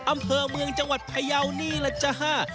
อำเภอเมืองจังหวัดพยาวนี่แหละจ้า